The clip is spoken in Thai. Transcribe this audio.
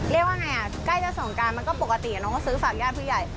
เรียกว่าไงอ่ะใกล้จะสงการมันก็ปกติน้องก็ซื้อฝากญาติผู้ใหญ่